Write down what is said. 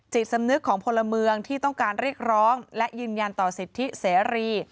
สำนึกของพลเมืองที่ต้องการเรียกร้องและยืนยันต่อสิทธิเสรี